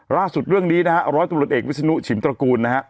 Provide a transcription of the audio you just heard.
ล่าสุดเรื่องนี้ร้อยตรวจเอกวิศนุฉิมตระกูล